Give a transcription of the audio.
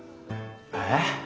えっ？